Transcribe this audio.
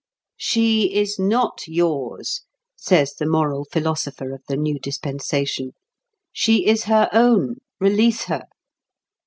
"She is not yours," says the moral philosopher of the new dispensation; "she is her own; release her!